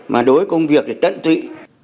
mà đối với công việc thì tận tụy